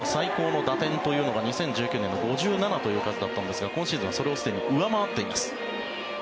これまでのプロ入り生活の最高の打点というのが２０１９年の５７という数だったんですが今シーズンはそれをすでに上回っています。